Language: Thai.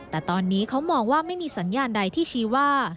แต่ตอนนี้เขามองว่าไม่มีสัญญาณใดที่ชี้ว่า